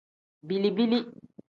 Bili-bili.